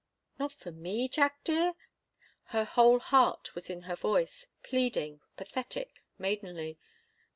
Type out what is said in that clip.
"Not for me, Jack dear?" Her whole heart was in her voice, pleading, pathetic, maidenly.